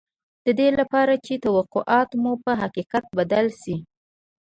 د دې لپاره چې توقعات مو په حقيقت بدل شي.